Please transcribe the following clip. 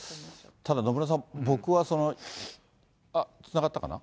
ただ野村さん、僕は、つながったかな？